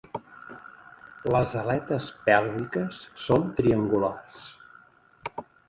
Les aletes pèlviques són triangulars.